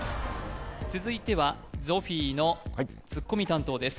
続いてはゾフィーのツッコミ担当です